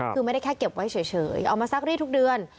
คือไม่ได้แค่เก็บไว้เฉยเอามาซักรีดทุกเดือน